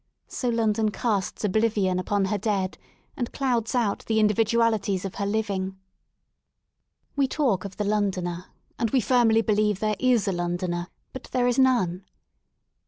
So London casts oblivion upon her dead and clouds out the individualities of her living, 149 LONDON We talk of the Londoner and we firmly believe there is a Londoner; but there is none.